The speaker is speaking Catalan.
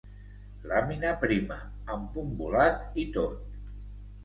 Làmina prima, amb punt volat i tot.